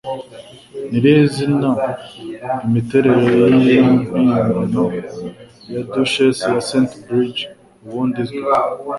Ni irihe zina imiterere yimpimbano ya Duchess ya St Bridget ubundi izwiho?